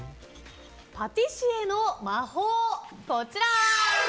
パティシエの魔法、こちら。